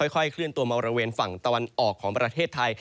ค่อยเคลื่อนตัวมาบริเวณฝั่งตะวันออกของประเทศไทย